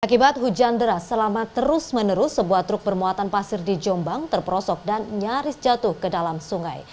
akibat hujan deras selama terus menerus sebuah truk bermuatan pasir di jombang terperosok dan nyaris jatuh ke dalam sungai